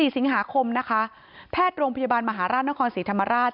๔สิงหาคมนะคะแพทย์โรงพยาบาลมหาราชนครศรีธรรมราช